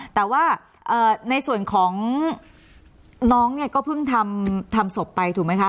แต่ว่าในส่วนของน้องเนี่ยก็เพิ่งทำศพไปถูกไหมคะ